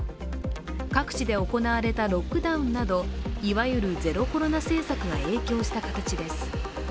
各地で行われたロックダウンなど、いわゆるゼロコロナ政策が影響した形です。